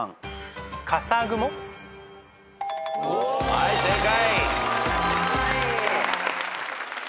はい正解。